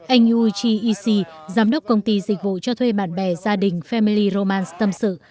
anh yuichi ishii giám đốc công ty dịch vụ cho thuê bạn bè gia đình family romance tâm sự